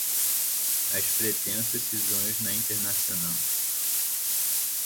As Pretensas Cisões na Internacional